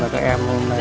các em dẫn đi